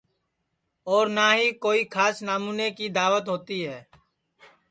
اور نہ ہی کوئی کھاس نامونے کی داوت ہوتی ہے